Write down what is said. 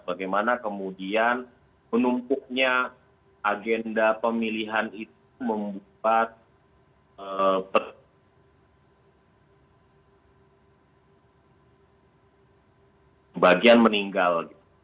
bagaimana kemudian penumpuknya agenda pemilihan itu membuat bagian meninggal